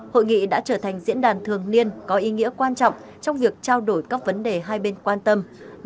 hội nghị đã trở thành diễn đàn thường niên có ý nghĩa quan trọng trong việc trao đổi các vấn đề hai bên quan tâm